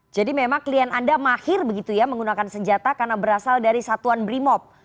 jadi memang klien anda mahir begitu ya menggunakan senjata karena berasal dari satuan brimop